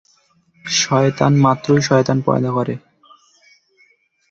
শয়তান মাত্রই শয়তান পয়দা করে।